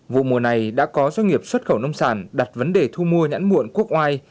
vụ mùa này đã có doanh nghiệp xuất khẩu nông sản đặt vấn đề thu mua nhãn muộn quốc oai